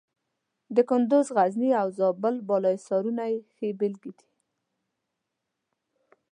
د کندز، غزني او زابل بالا حصارونه یې ښې بېلګې دي.